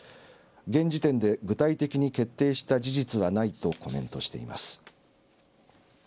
現時点で具体的に決定した事実はないとコメントしています。